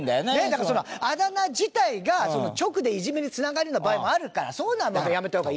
だからあだ名自体が直でいじめにつながるような場合もあるからそういうのはやめた方が。